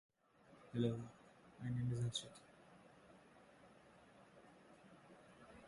The Governor serves as head of the executive branch of the state's government.